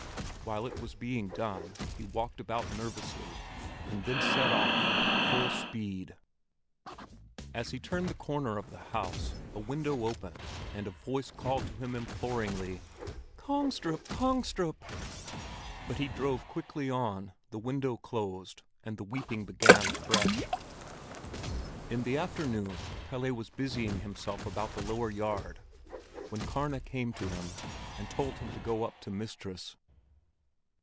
While it was being done, he walked about nervously, and then set off at full speed. As he turned the corner of the house, a window opened and a voice called to him imploringly: "Kongstrup, Kongstrup!" But he drove quickly on, the window closed, and the weeping began afresh. In the afternoon Pelle was busying himself about the lower yard when Karna came to him and told him to go up to mistress.